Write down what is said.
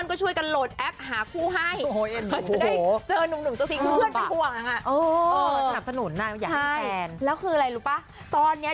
โสดจนเฉาเขาว่าเป็นแบบนี้